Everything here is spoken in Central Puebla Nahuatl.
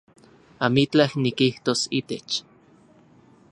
Amitlaj nikijtos itech